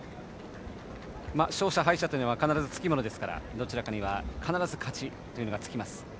勝者、敗者というのは必ずつきものですからどちらかには勝ちがつきます。